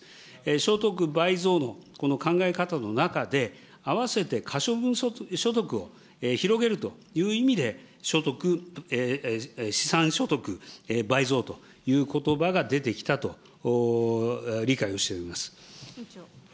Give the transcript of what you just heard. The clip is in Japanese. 所得倍増の考え方の中で、あわせて可処分所得を広げるという意味で、所得、資産所得倍増ということばが出てきたと理解をしております。